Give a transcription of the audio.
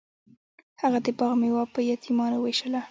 هغه د باغ میوه په یتیمانو ویشله.